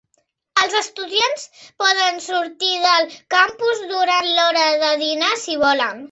Els estudiants poden sortir del campus durant l'hora de dinar si volen.